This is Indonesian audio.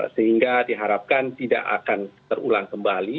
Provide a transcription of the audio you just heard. sehingga diharapkan tidak akan terulang kembali